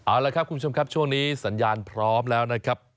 เอาละครับคุณผู้ชมครับช่วงนี้สัญญาณพร้อมแล้วนะครับ